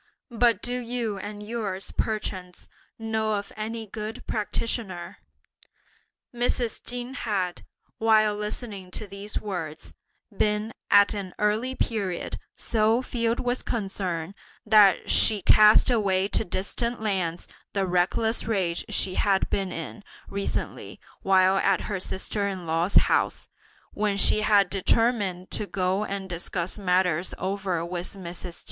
But do you and yours, perchance, know of any good practitioner?" Mrs. Chin had, while listening to these words, been, at an early period, so filled with concern that she cast away to distant lands the reckless rage she had been in recently while at her sister in law's house, when she had determined to go and discuss matters over with Mrs. Ch'in.